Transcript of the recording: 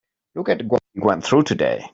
Look at what we went through today.